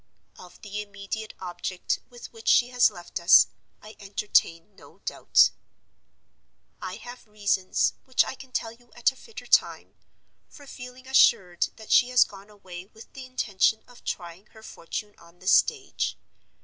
"Of the immediate object with which she has left us, I entertain no doubt. "I have reasons (which I can tell you at a fitter time) for feeling assured that she has gone away with the intention of trying her fortune on the stage.